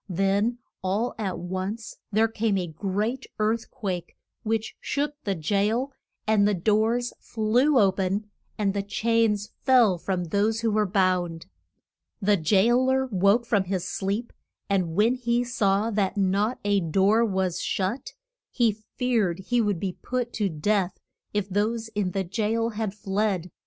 Then all at once there came a great earth quake which shook the jail, and the doors flew o pen, and the chains fell from those who were bound. The jail er woke from his sleep, and when he saw that not a door was shut, he feared he would be put to death if those in the jail had fled.